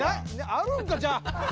「あるんか？じゃあ！」